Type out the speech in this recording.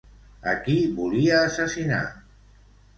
A qui volia assassinar?